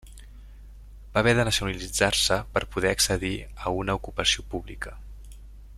Va haver de nacionalitzar-se per poder accedir a una ocupació pública.